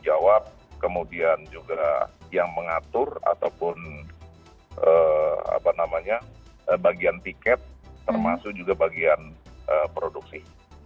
jawab kemudian juga yang mengatur ataupun bagian tiket termasuk juga bagian produksi